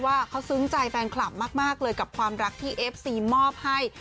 ว่าเขาซึ้งใจแฟนคลับมากเลยกับความรักที่เอฟซีมอบให้